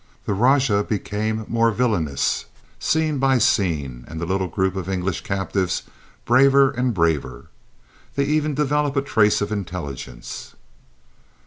The rajah became more villainous scene by scene and the little group of English captives braver and braver. They even developed a trace of intelligence.